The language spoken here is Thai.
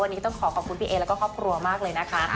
วันนี้ต้องขอขอบคุณพี่เอแล้วก็ครอบครัวมากเลยนะคะ